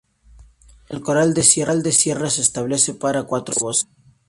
El coral de cierre se establece para cuatro voces.